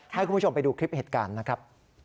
ให้คุณผู้ชมไปดูคลิปเหตุการณ์นะครับ